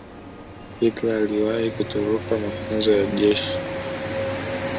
hitler aliwahi kutoroka mafunzo ya kijeshi